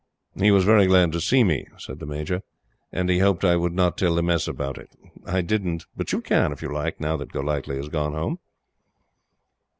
He was very glad to see me," said the Major, "and he hoped I would not tell the Mess about it. I didn't, but you can if you like, now that Golightly has gone Home."